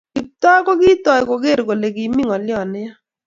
Kiptoo kokikatoi koger kole kimi ngolyot ne ya